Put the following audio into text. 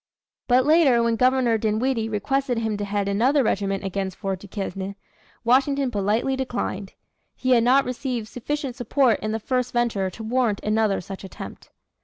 But later when Governor Dinwiddie requested him to head another regiment against Fort Duquesne, Washington politely declined. He had not received sufficient support in the first venture to warrant another such attempt.